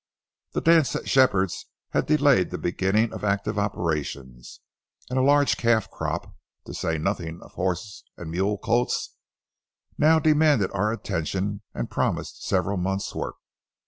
The dance at Shepherd's had delayed the beginning of active operations, and a large calf crop, to say nothing of horse and mule colts, now demanded our attention and promised several months' work.